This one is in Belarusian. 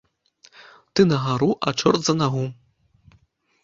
Ты на гару, а чорт за нагу.